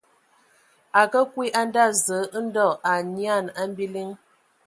A kǝǝ kwi a nda Zǝǝ ndɔ a anyian a biliŋ.